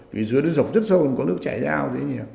vì dưới đó dọc rất sâu còn có nước chảy rao